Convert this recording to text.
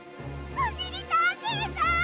おしりたんていさん！